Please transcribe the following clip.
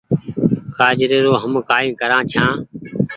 گآجري رو هم ڪآئي ڪرآن ڇآن ۔